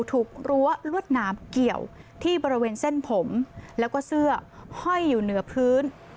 รั้วลวดหนามเกี่ยวที่บริเวณเส้นผมแล้วก็เสื้อห้อยอยู่เหนือพื้น